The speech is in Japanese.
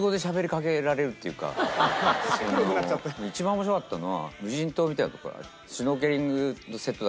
もう一番面白かったのは。